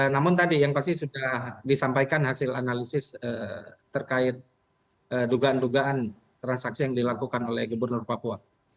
namun tadi yang pasti sudah disampaikan hasil analisis terkait dugaan dugaan transaksi yang dilakukan oleh gubernur papua